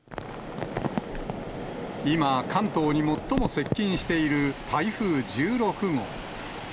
今、関東に最も接近している台風１６号。